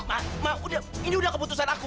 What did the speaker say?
mama udah ini udah keputusan aku